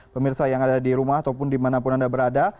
pemirsa yang ada di rumah ataupun dimanapun anda berada